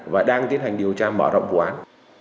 và đang tiến hành điều tra mở rộng bụi can